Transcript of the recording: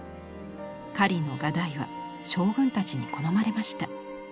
狩りの画題は将軍たちに好まれました。